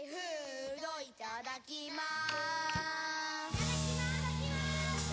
「いただきます」